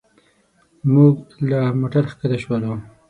موږ له موټر ښکته شولو.